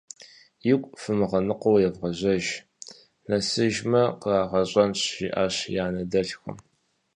Игу фымыгъэныкъуэу евгъэжьэж, нэсыжмэ, къырагъэщӏэнщ, - жиӏащ и анэ дэлъхум.